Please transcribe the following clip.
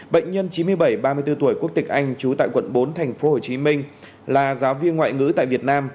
bệnh nhân chín mươi bảy ba mươi bốn tuổi quốc tịch anh trú tại quận bốn tp hcm là giáo viên ngoại ngữ tại việt nam